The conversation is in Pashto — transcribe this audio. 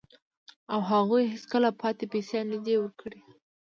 او هغوی هیڅکله پاتې پیسې نه دي ورکړي